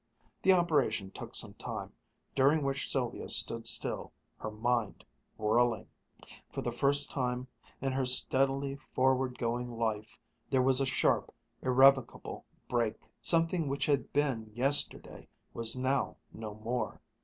The operation took some time, during which Sylvia stood still, her mind whirling. For the first time in her steadily forward going life there was a sharp, irrevocable break. Something which had been yesterday was now no more.